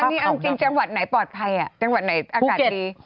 นี่เอาจริงจังหวัดไหนปลอดภัยจังหวัดไหนอากาศดี